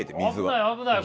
危ない危ない。